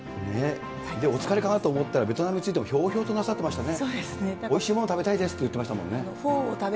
お疲れかなと思ったら、ベトナムについてもひょうひょうとなさってましたね。